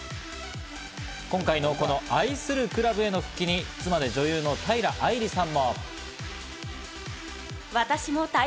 今回の愛するクラブへの復帰に、妻で女優の平愛梨さん。